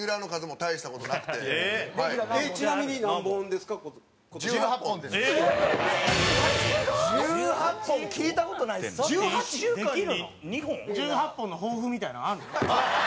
大悟：１８本の抱負みたいなのあるの？